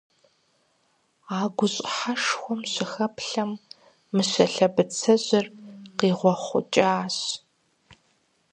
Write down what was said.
А гущӀыхьэшхуэм щыхэплъэм, Мыщэ лъэбыцэжьыр къигъуэхъукӀащ.